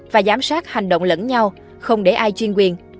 và giám sát hành động lẫn nhau không để ai chuyên quyền